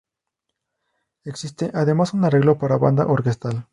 Existe además un arreglo para banda orquestal.